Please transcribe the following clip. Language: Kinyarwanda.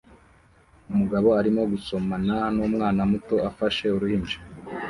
Umugabo arimo gusomana numwana muto afashe uruhinja